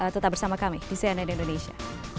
tetap bersama kami di cnn indonesia